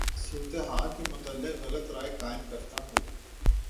صورتحال کے متعلق غلط رائے قائم کرتا ہوں